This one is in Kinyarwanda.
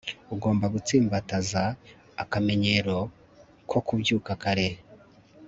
ugomba gutsimbataza akamenyero ko kubyuka kare